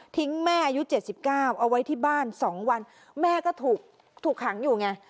แม่อายุ๗๙เอาไว้ที่บ้าน๒วันแม่ก็ถูกขังอยู่ไง